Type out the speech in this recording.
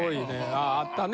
あああったね